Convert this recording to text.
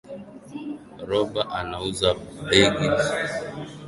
Roba anauza begi zuri